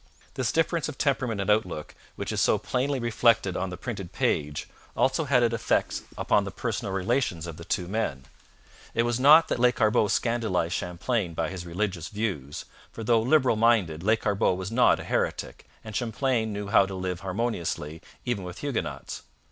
This difference of temperament and outlook, which is so plainly reflected on the printed page, also had its effect upon the personal relations of the two men. It was not that Lescarbot scandalized Champlain by his religious views, for though liberal minded, Lescarbot was not a heretic, and Champlain knew how to live harmoniously even with Huguenots.